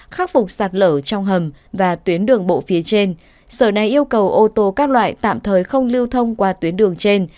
khắc phục sạt lở trong hầm và tuyến đường bộ phía trên sở này yêu cầu ô tô các loại tạm thời không lưu thông qua tuyến đường trên